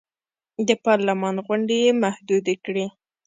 د پارلمان غونډې یې محدودې کړې.